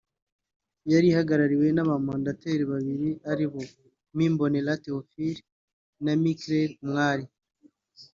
yari ihagarariwe n’abamandateri babiri aribo Me Mbonera Théophile na Me Claire Umwali